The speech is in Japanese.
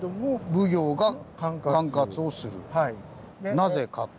なぜかと。